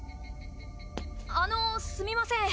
あのすみません。